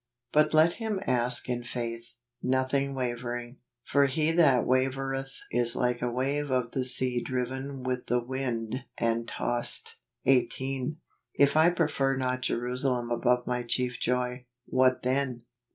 " But let him ask in faith , nothing wavering. For he that wavereth is like a wave of the sea driven with the wind and tossed ." 18. " If I prefer not Jerusalem above my chief joy," what then